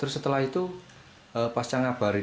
terus setelah itu pasca ngabarin